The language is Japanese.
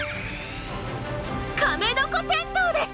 カメノコテントウです！